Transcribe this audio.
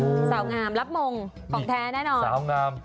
โอ้โฮสาวงามรับมงค์ของแท้แน่นอนสาวงาม